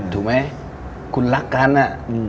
ถูกมั้ยคุณรักกันอ่ะ